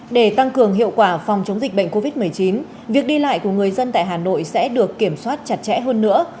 để tăng cường hiệu quả phòng chống dịch bệnh covid một mươi chín việc đi lại của người dân tại hà nội sẽ được kiểm soát chặt chẽ hơn nữa